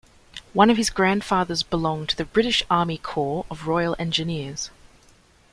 One of his grandfathers belonged to the British Army Corps of Royal Engineers.